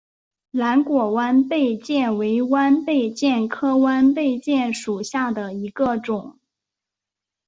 蓝果弯贝介为弯贝介科弯贝介属下的一个种。